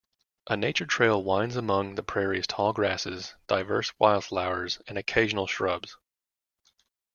A nature trail winds among the prairie's tall grasses, diverse wildflowers, and occasional shrubs.